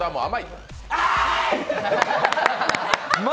あーい！！